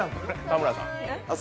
田村さん。